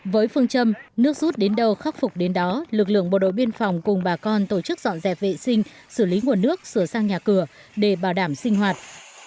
với phương châm nước rút đến đâu khắc phục đến đó lực lượng bộ đội biên phòng cùng bà con tổ chức dọn dẹp vệ sinh xử lý nguồn nước sửa sang nhà cửa để bảo đảm sinh hoạt